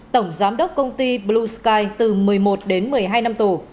tổng giám đốc công ty blue sky từ một mươi một đến một mươi hai năm tù